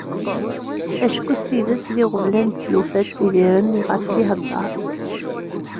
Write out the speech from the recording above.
Acku s tidet d iɣeblan d tlufa ttidiren iɣef d-iheddeṛ.